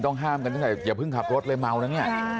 ห้ามกันตั้งแต่อย่าเพิ่งขับรถเลยเมานะเนี่ย